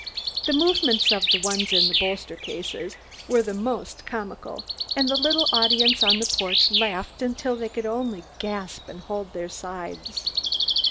The movements of the ones in the bolster cases were the most comical, and the little audience on the porch laughed until they could only gasp and hold their sides.